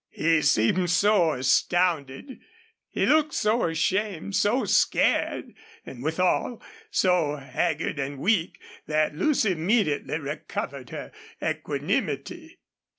He seemed so astounded, he looked so ashamed, so scared, and withal, so haggard and weak, that Lucy immediately recovered her equanimity.